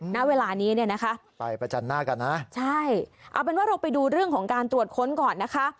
ณเวลานี้นะคะใช่เอาเป็นว่าเราไปดูเรื่องของการตรวจค้นก่อนนะคะ